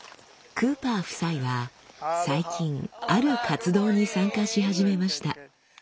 クーパー夫妻は最近ある活動に参加し始めました。